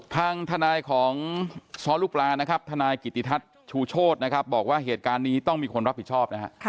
ทางทนายของซลูกลาทนายกิติทัศน์ชูโชฎบอกว่าเหตุการณ์นี้ต้องมีคนรับผิดชอบ